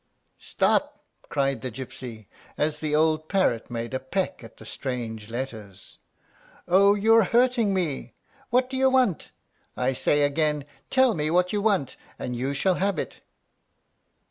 "Stop!" cried the gypsy, as the old parrot made a peck at the strange letters. "Oh! you're hurting me. What do you want? I say again, tell me what you want, and you shall have it."